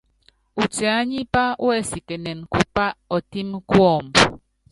Utiánipá wɛsikɛnɛn bupá ɔtɛ́m kuɔmb.